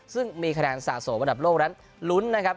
ซึ่งมีคะแนนสะสมระดับโลกนั้นลุ้นนะครับ